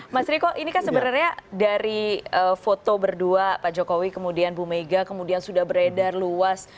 mas riko ini kan sebenarnya dari foto berdua pak jokowi kemudian bu mega kemudian sudah beredar luas